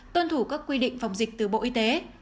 tuân thủ các quy định phòng dịch từ bộ y tế